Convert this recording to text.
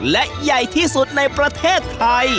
และใหญ่ที่สุดในประเทศไทย